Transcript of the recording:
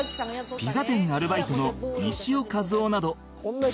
ピザ店アルバイトの西尾一男など